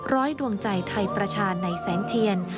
ดวงใจไทยประชาในแสงเทียน